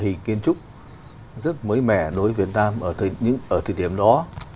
thì kiến trúc rất mới mẻ đối với việt nam ở thời điểm đó